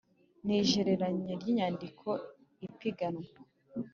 N igereranya ry inyandiko z ipiganwa